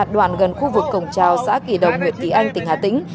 đoàn gần khu vực cổng trào xã kỳ đồng nguyệt kỳ anh tỉnh hà tĩnh